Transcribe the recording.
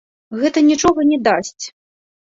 Гэта нічога не дасць.